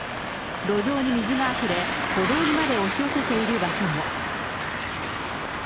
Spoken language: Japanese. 路上に水があふれ、歩道にまで押し寄せている場所も。